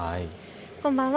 こんばんは。